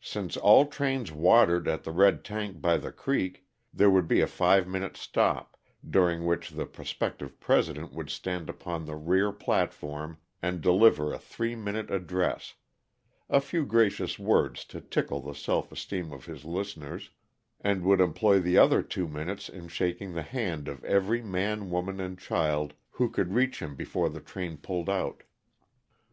Since all trains watered at the red tank by the creek, there would be a five minute stop, during which the prospective President would stand upon the rear platform and deliver a three minute address a few gracious words to tickle the self esteem of his listeners and would employ the other two minutes in shaking the hand of every man, woman, and child who could reach him before the train pulled out.